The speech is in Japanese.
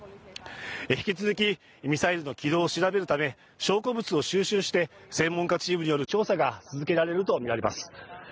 引き続きミサイルの軌道を調べるため証拠物を収集して専門家チームによる調査が続けられるとみられます